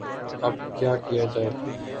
اب کیا کیا جائے؟